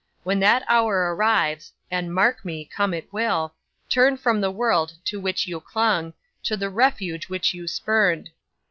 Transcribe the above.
When that hour arrives and, mark me, come it will turn from the world to which you clung, to the refuge which you spurned.